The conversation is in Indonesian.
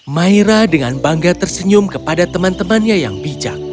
maira dengan bangga tersenyum kepada teman temannya yang bijak